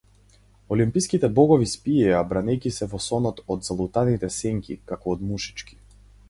Олимпските богови спиеја бранејќи се во сонот од залутаните сенки, како од мушички.